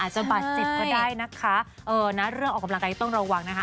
จะบาดเจ็บก็ได้นะคะเออนะเรื่องออกกำลังกายต้องระวังนะคะ